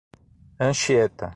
Anchieta